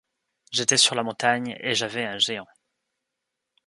J’étais sur la montagne et j’avais un géant.